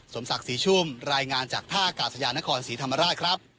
สมศักดิ์ศรีชุ่มรายงานจากท่ากาศยานครศรีธรรมราชครับ